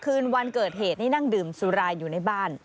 คืนวันเกิดเหตุนี่นั่งดื่มสุราอยู่ในบ้าน